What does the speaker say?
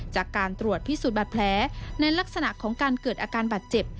จากการตรวจพิสูจน์บาดแผลในลักษณะของการเกิดอาการบาดเจ็บ